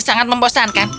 ini sangat membosankan